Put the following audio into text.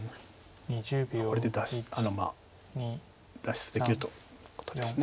これで脱出できるということです。